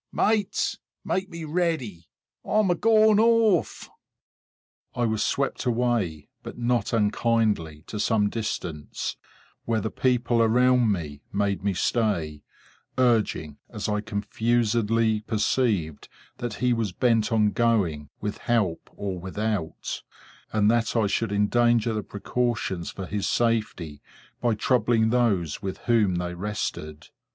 Mates, make me ready! I'm a going off!" I was swept away, but not unkindly, to some distance, where the people around me made me stay; urging, as I confusedly perceived, that he was bent on going, with help or without, and that I should endanger the precautions for his safety by troubling those with whom they rested.